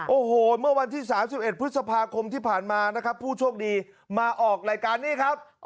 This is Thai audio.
โอ้โหเมื่อวันที่๓๑พฤษภาคมที่ผ่านมานะครับผู้โชคดีมาออกรายการนี้ครับ